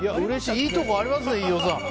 いいところありますね飯尾さん。